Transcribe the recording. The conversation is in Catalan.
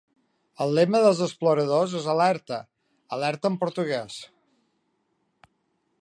El lema dels exploradors és "Alerta", "alerta" en portuguès.